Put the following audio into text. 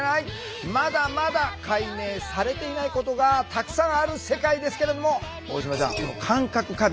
まだまだ解明されていないことがたくさんある世界ですけれども大島ちゃん